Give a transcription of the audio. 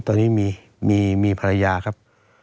ตอนนี้มีภรรยาครับ